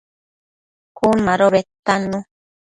Cun mado bedtannu